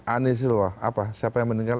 anisullah apa siapa yang meninggal